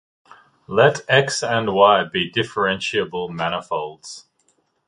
Let "X" and "Y" be differentiable manifolds.